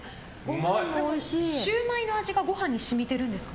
シウマイの味がご飯に染みてるんですか？